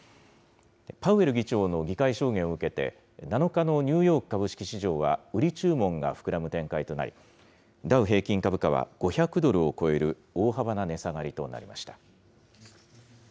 パウエル議長の議会証言を受けて、７日のニューヨーク株式市場は売り注文が膨らむ展開となり、ダウ平均株価は５００ドルを超える大幅な値下がりとなりました。